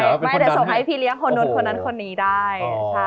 เดี๋ยวออนส่งให้พี่เลี้ยงคนนู้นคนนั้นคนนี้ได้